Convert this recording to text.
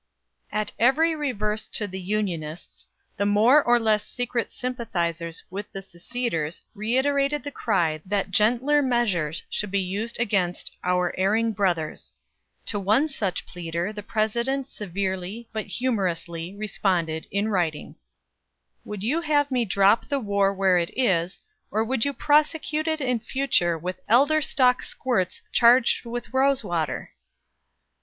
At every reverse to the Unionists, the more or less secret sympathizers with the seceders reiterated the cry that gentler measures should be used against "our erring brothers." To one such pleader, the President severely, but humorously, responded, in writing: "Would you have me drop the war where it is, or would you prosecute it in future with elder stalk squirts charged with rose water?"